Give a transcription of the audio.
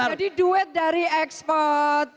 jadi duet dari ekspor